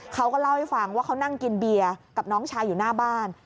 เขาก็เล่าให้ฟังว่าเขานั่งกินเบียร์กับน้องชายอยู่หน้าบ้าน